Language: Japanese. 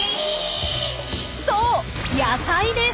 そう野菜です！